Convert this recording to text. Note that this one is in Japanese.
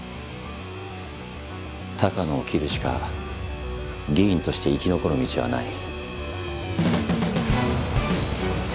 鷹野を切るしか議員として生き残る道はない。